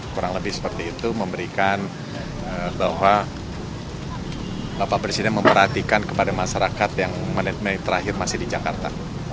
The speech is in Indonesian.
kurang lebih seperti itu memberikan bahwa bapak presiden memperhatikan kepada masyarakat yang menit menit terakhir masih di jakarta